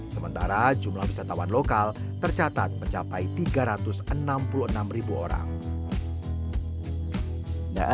sementara jumlah wisatawan lokal tercatat mencapai tiga ratus enam puluh enam ribu orang